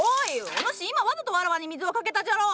お主今わざとわらわに水をかけたじゃろ！